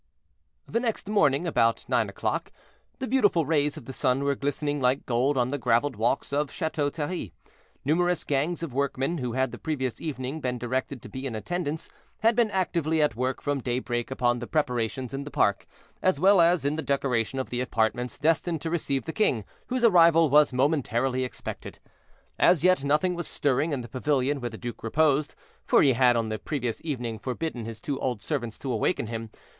The next morning, about nine o'clock, the beautiful rays of the sun were glistening like gold on the graveled walks of Chateau Thierry. Numerous gangs of workmen, who had the previous evening been directed to be in attendance, had been actively at work from daybreak upon the preparations in the park, as well as in the decoration of the apartments destined to receive the king, whose arrival was momentarily expected. As yet nothing was stirring in the pavilion where the duke reposed, for he had on the previous evening forbidden his two old servants to awaken him.